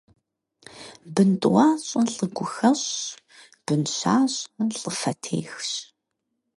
Бын тӀуащӀэ лӀы гу хэщӀщ, бын щащӀэ лӀы фэ техщ.